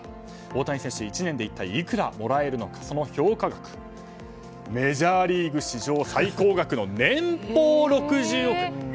大谷選手、１年で一体いくらもらえるのかその評価額メジャーリーグ史上最高額の年俸６０億円。